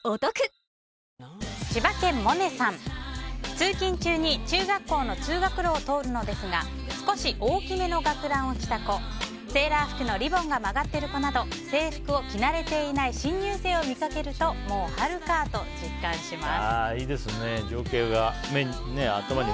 通勤中に中学校の通学路を通るんですが少し大きめの学ランを着た子セーラー服のリボンが曲がってる子など制服を着なれていない新入生を見かけるともう春かと実感します。